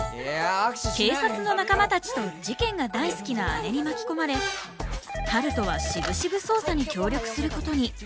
警察の仲間たちと事件が大好きな姉に巻き込まれ春風はしぶしぶ捜査に協力することに。